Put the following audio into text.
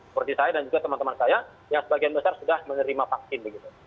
seperti saya dan juga teman teman saya yang sebagian besar sudah menerima vaksin begitu